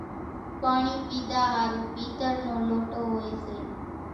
پاڻِي پيڌا ۿارُو پيتر نو لوٽو هوئيَ سي۔